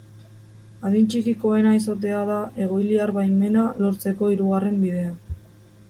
Adin txikikoena izatea da egoiliar baimena lortzeko hirugarren bidea.